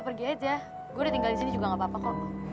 pergi aja gue udah tinggal di sini juga gak apa apa kok